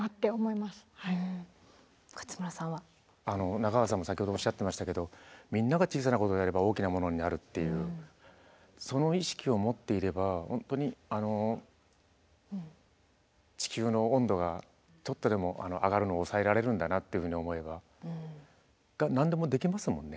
中川さんも先ほどおっしゃってましたけどみんなが小さなことでもやれば大きなものになるっていうその意識を持っていれば本当に地球の温度がちょっとでも上がるのを抑えられるんだなっていうふうに思えば何でもできますもんね。